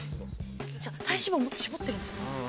体脂肪もっと絞ってるんです。